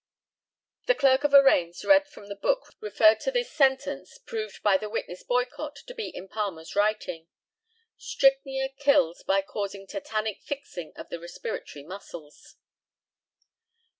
The Clerk of Arraigns read from the book referred to this sentence, proved by the witness Boycott to be in Palmer's writing "Strychnia kills by causing tetanic fixing of the respiratory muscles."